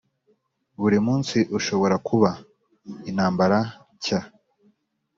buri munsi ushobora kuba intambara nshya.